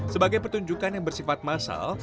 sebagai pertunjukan yang bersifat massal